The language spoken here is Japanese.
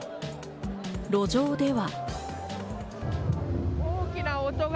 路上では。